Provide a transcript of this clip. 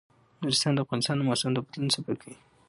نورستان د افغانستان د موسم د بدلون سبب کېږي.